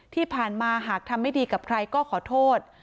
ที่ผ่านมาหากทำไม่ดีกับใครก็ขอโทษ